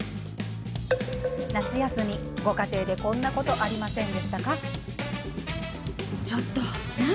夏休み、ご家庭でこんなことありませんでしたか？